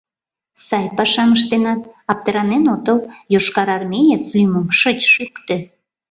— Сай пашам ыштенат, аптыранен отыл, йошкарармеец лӱмым шыч шӱктӧ!